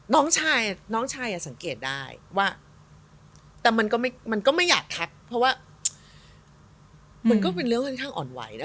น้องชายน้องชายสังเกตได้ว่าแต่มันก็ไม่อยากแท็กเพราะว่ามันก็เป็นเรื่องค่อนข้างอ่อนไหวนะ